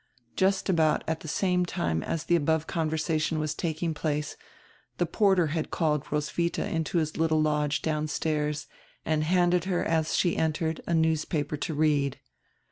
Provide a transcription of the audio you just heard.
Just about at die same time as die above conversation was taking place die porter had called Roswidia into his little lodge downstairs and handed her as she entered a newspaper to read.